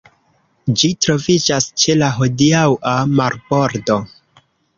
Ĝi troviĝas ĉe la hodiaŭa marbordo.